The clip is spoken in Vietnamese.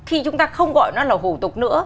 khi chúng ta không gọi nó là hủ tục nữa